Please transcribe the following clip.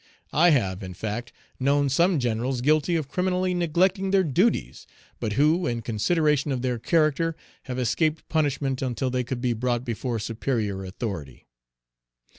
I have, in fact, known some generals guilty of criminally neglecting their duties, but who, in consideration of their character, have escaped punishment until they could be brought before superior authority.